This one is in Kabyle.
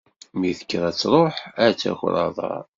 Mi tekker ad truḥ, ad taker aḍar.